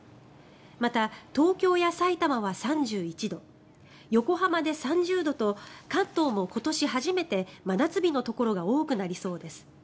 また、東京やさいたまは３１度横浜で３０度と関東も今年初めて真夏日のところが多くなりそうです。